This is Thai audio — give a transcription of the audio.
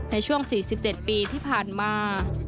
ในช่วง๔๗ปีที่ผ่านมา